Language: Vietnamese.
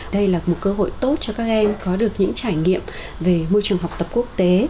đây là một cơ hội tốt cho các em có được những trải nghiệm về môi trường học tập quốc tế